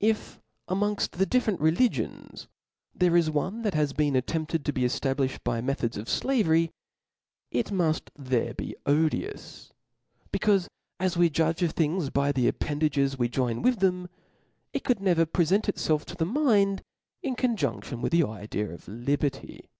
If amongft the difitrent religions, there is one that has been attempted to be eftabKfhed by me thods of fiavery, it muft there be odious ; becaufe as we judge, of things by the appendages we join with them, it could never prefent itfelf to the mind in conjun£tion with the idea of liberty.